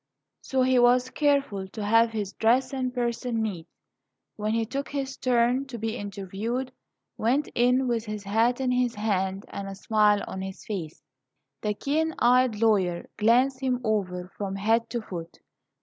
So he was careful to have his dress and person neat, and when he took his turn to be interviewed, went in with his hat in his hand and a smile on his face. The keen eyed lawyer glanced him over from head to foot.